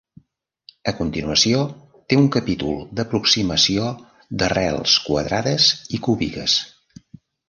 A continuació té un capítol d’aproximació d’arrels quadrades i cúbiques.